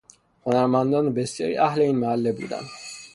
هنرمندان بسیاری اهل این محله بودهاند